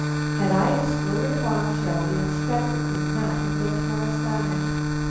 Had I exploded a bomb shell the Inspector could not have looked more astounded.